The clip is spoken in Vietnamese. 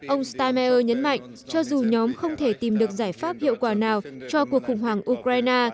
ông stemmeier nhấn mạnh cho dù nhóm không thể tìm được giải pháp hiệu quả nào cho cuộc khủng hoảng ukraine